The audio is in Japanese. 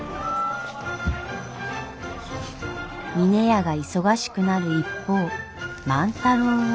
峰屋が忙しくなる一方万太郎は。